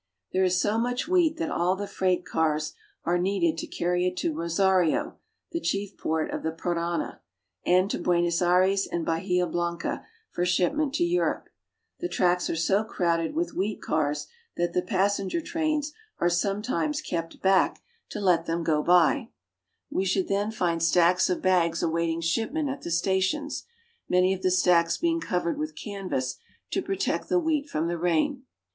There is so much wheat that all the freight cars are needed to carry it to Rosario, the chief port of the Parana, and to Buenos Aires and Bahia Blanca for ship ment to Europe. The tracks are so crowded with wheat cars that the passenger trains are sometimes kept back to IQO ARGENTINA. let them go by. We should then find stacks of bags awaiting shipment at the stations, many of the stacks being covered with canvas to protect the wheat from the rain.